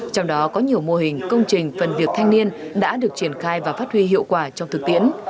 trong đó có nhiều mô hình công trình phần việc thanh niên đã được triển khai và phát huy hiệu quả trong thực tiễn